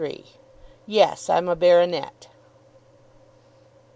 "YES; I'M A BARONET."